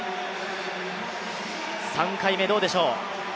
３回目どうでしょう。